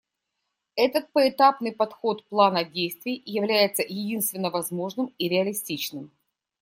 Этот поэтапный подход плана действий является единственно возможным и реалистичным.